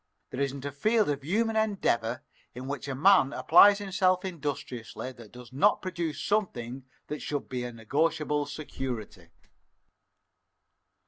There isn't a field of human endeavor in which a man applies himself industriously that does not produce something that should be a negotiable security."